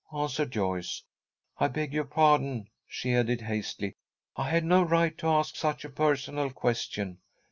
answered Joyce. "I beg your pardon," she added, hastily. "I had no right to ask such a personal question."